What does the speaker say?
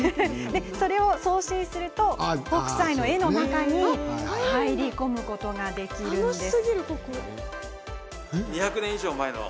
それを送信すると北斎の絵の中に入り込めるんです。